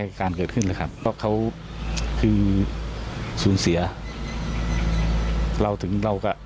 การเกิดขึ้นนะครับเพราะเขาคือสูญเสียเราถึงเราก็